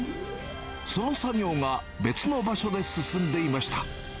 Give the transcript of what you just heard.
その作業が別の場所で進んでいました。